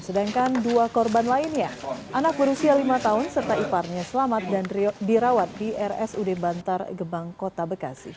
sedangkan dua korban lainnya anak berusia lima tahun serta iparnya selamat dan dirawat di rsud bantar gebang kota bekasi